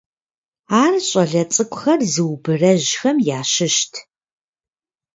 Ар щӀалэ цӀыкӀухэр зыубэрэжьхэм ящыщт.